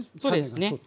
そうですね。